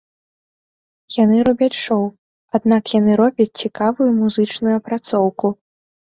Яны робяць шоу, аднак яны робяць цікавую музычную апрацоўку.